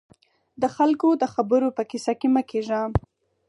د خلکو د خبرو په کيسه کې مه کېږئ.